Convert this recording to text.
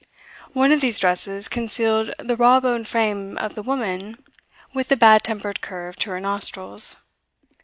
One of these dresses concealed the raw boned frame of the woman with the bad tempered curve to her nostrils.